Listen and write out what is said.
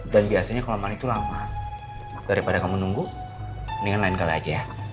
dan biasanya kalau malik tuh lama daripada kamu nunggu mendingan lain kali aja ya